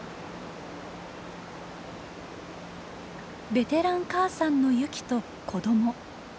ベテラン母さんのユキと子ども。